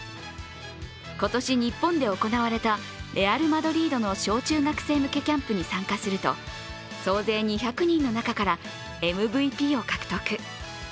今年、日本で行われたレアル・マドリードの小中学生向けキャンプに参加すると総勢２００人の中からＭＶＰを獲得。